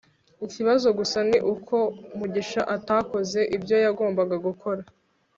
ikibazo gusa ni uko mugisha atakoze ibyo yagombaga gukora